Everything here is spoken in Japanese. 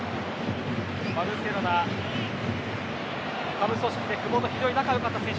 バルセロナ下部組織で久保と非常に仲が良かった選手。